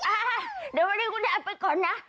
อ่ะเดี๋ยววันนี้คุณแอมไปก่อนนะ